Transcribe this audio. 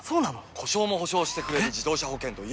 故障も補償してくれる自動車保険といえば？